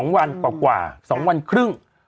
๒วันกว่า๒วันครึ่ง